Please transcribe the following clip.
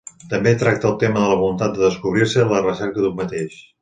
També tracta el tema de la voluntat de descobrir-se i la recerca d'un mateix.